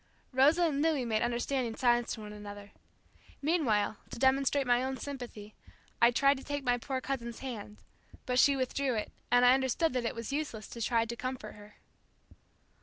Rosa and Louis made understanding signs to one another. Meanwhile to demonstrate my own sympathy, I tried to take my poor cousin's hand, but she withdrew it, and I understood that it was useless to try to comfort her.